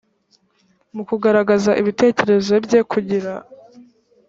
mu kugaragaza ibitekerezo bye kugira